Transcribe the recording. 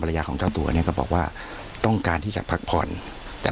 ยาของเจ้าตัวเนี่ยก็บอกว่าต้องการที่จะพักผ่อนแต่